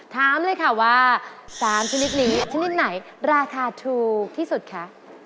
ถามเลยค่ะว่า๓ชนิดนี้ชนิดไหนราคาถูกที่สุดคะ